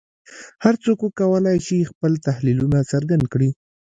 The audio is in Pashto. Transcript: هر څوک وکولای شي خپل تحلیلونه څرګند کړي